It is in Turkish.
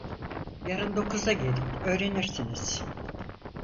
Yarın dokuzda gelin, öğrenirsiniz!